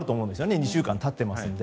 ２週間、経っていますので。